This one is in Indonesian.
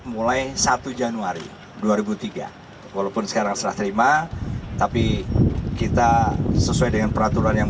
mulai satu januari dua ribu tiga walaupun sekarang setelah terima tapi kita sesuai dengan peraturan yang